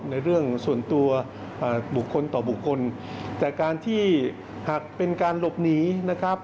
ในเรื่องส่วนตัวบุคคลต่อบุคคลแต่การที่หากเป็นการหลบหนีนะครับ